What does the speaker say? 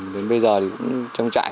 đến bây giờ thì cũng trong trại